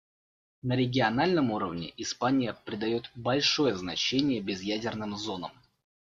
На региональном уровне Испания придает большое значение безъядерным зонам.